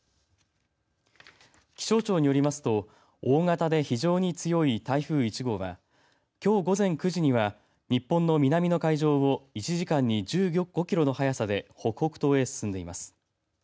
気象庁によりますと大型で非常に強い台風１号はきょう午前９時には日本の南の海上を１時間に１５キロの速さで北北東へ進みます。